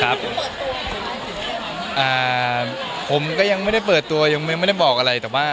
อ่าผมก็ยังไม่ได้เปิดตัวยังไม่ได้บอกอะไรก็ได้บ้าน